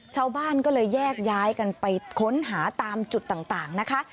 ชาวบ้านก็เลยแยกย้ายกันไปค้นหาตามจุดต่างนะคะ